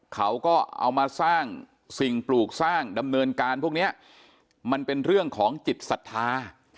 เขาก็เอามาสร้างสิ่งปลูกสร้างดำเนินการพวกเนี้ยมันเป็นเรื่องของจิตศรัทธา